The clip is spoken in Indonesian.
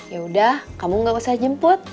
yaudah kamu gak usah jemput